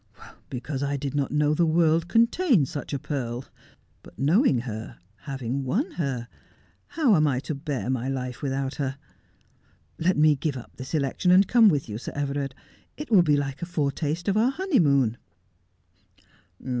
' Because I did not know the world contained such a pearl ; but knowing her, having won her, how am I to bear my life without her 1 Let me give up this election and come with you, Sir Everard. It will be like a foretaste of our honeymoon.'